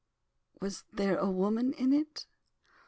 Was there a woman in it?"